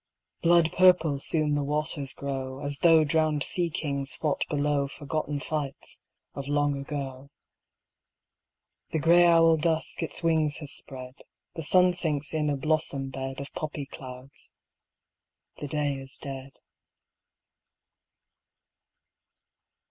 Blood purple soon the waters grow, As though drowned sea kings fought below Forgotten fights of long ago. The gray owl Dusk its wings has spread ; The sun sinks in a blossom bed Of poppy clouds ; the day is dead.